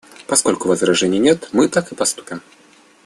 Поскольку возражений нет, мы так и поступим.